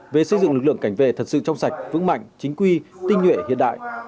về xây dựng lực lượng cảnh vệ thật sự trong sạch vững mạnh chính quy tinh nhuệ hiện đại